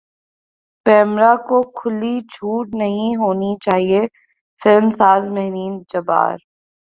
پیمرا کو کھلی چھوٹ نہیں ہونی چاہیے فلم ساز مہرین جبار